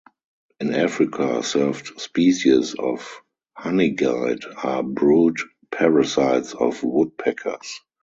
In Africa, several species of honeyguide are brood parasites of woodpeckers.